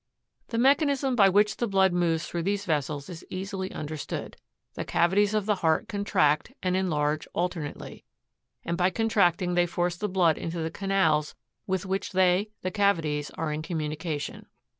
44 The mechanism by which the blood moves through these vessels is easily understood. The cavities of the heart contract and enlarge alternately, and by contracting they force the blood into the canals with which they (the cavities) are in communica tion.